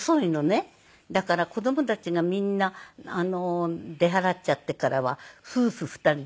だから子供たちがみんな出払っちゃってからは夫婦２人で。